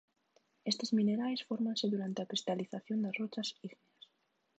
Estes minerais fórmanse durante a cristalización das rochas ígneas.